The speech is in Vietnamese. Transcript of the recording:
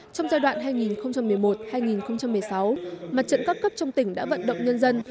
trong giai đoạn hai nghìn một mươi một hai nghìn một mươi sáu mặt trận các cấp trong tỉnh đã vận động nhân dân